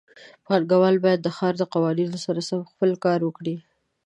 پانګهوال باید د ښار د قوانینو سره سم خپل کار وکړي.